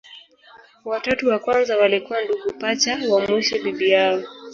Watatu wa kwanza walikuwa ndugu pacha, wa mwisho bibi yao.